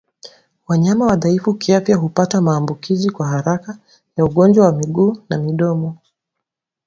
Wanyama wadhaifu kiafya hupata maambukizi kwa haraka ya ugonjwa wa miguu na midomo